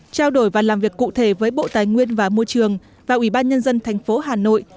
trao đổi và làm việc cụ thể với bộ tài nguyên và môi trường và ủy ban nhân dân thành phố hà nội